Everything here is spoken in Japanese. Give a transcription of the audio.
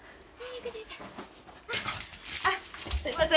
あっすいません。